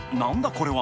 これは。